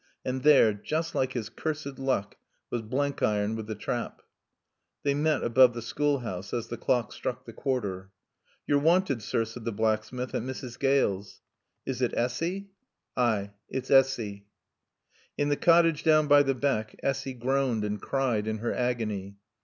And there (just like his cursed luck) was Blenkiron with the trap. They met above the schoolhouse as the clock struck the quarter. "You're wanted, sir," said the blacksmith, "at Mrs. Gale's." "Is it Essy?" "Ay, it's Assy." In the cottage down by the beck Essy groaned and cried in her agony.